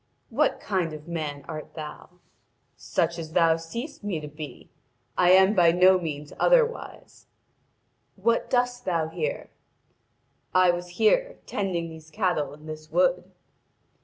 'What kind of a man art thou?' 'Such as thou seest me to be: I am by no means otherwise.' 'What dost thou here?' 'I was here, tending these cattle in this wood.'